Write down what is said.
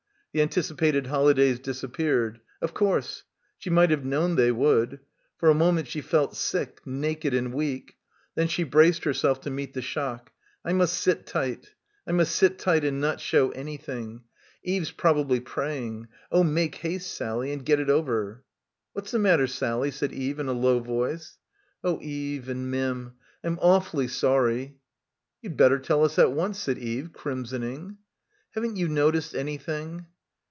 The anticipated holidays disappeared. Of course. She might have known they would. For a moment she felt sick, naked and weak. Then she braced herself to meet the shock. I must sit — 215 — PILGRIMAGE tight, I must sit tight and not show anything. Eve's probably praying. Oh, make haste, Sally, and get it over. "What's the matter, Sally?" said Eve in a low voice. "Oh, Eve and Mim, I'm awfully sorry." "You'd better tell us at once," said Eve, crimsoning. "Haven't you noticed anything?"